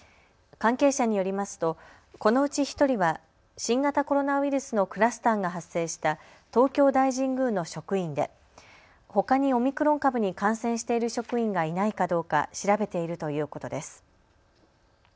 関係者によりますとこのうち１人は新型コロナウイルスのクラスターが発生した東京大神宮の職員でほかにオミクロン株に感染している職員がいないかどうか調べているということです。